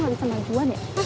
kok lo langsung lanjuan ya